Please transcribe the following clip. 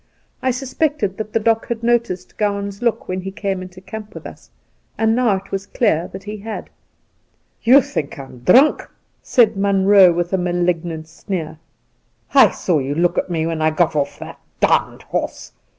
I suspected that the Doc had noticed Gowan's look when he came into camp with us, and now it was clear that he had. 'You think I'm drunk,' said Munroe, with a Soltke 67 malignant sneer. ' I saw you look at me when I got off that d d horse